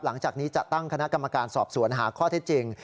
หลังจากนี้จะตั้งคณะกรรมการสอบสวนหาข้อเท็จจริง